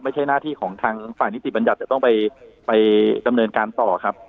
หน้าที่ของทางฝ่ายนิติบัญญัติจะต้องไปดำเนินการต่อครับ